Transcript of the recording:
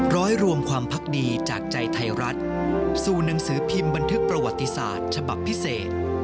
รวมความพักดีจากใจไทยรัฐสู่หนังสือพิมพ์บันทึกประวัติศาสตร์ฉบับพิเศษ